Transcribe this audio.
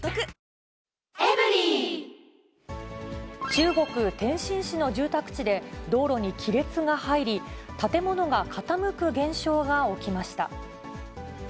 中国・天津市の住宅地で、道路に亀裂が入り、建物が傾く現象が起きました。